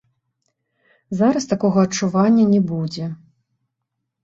Зараз такога адчування не будзе.